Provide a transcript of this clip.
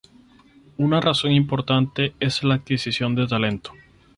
Una razón importante es la adquisición de talento.